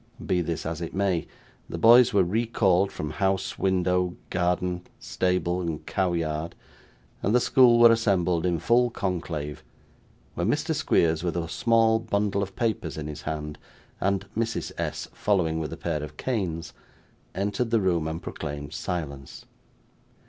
Be this as it may, the boys were recalled from house window, garden, stable, and cow yard, and the school were assembled in full conclave, when Mr. Squeers, with a small bundle of papers in his hand, and Mrs. S. following with a pair of canes, entered the room and proclaimed silence.